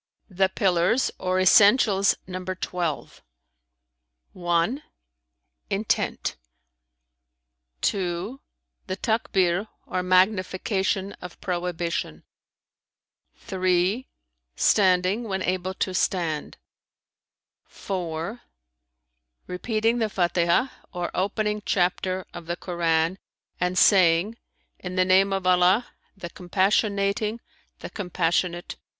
The pillars or essentials number twelve: (1) intent; (2) the Takbνr or magnification of prohibition; (3) standing when able to stand[FN#312]; (4) repeating the Fatihah or opening chapter of the Koran and saying, 'In the name of Allah, the Compassionating, the Compassionate!'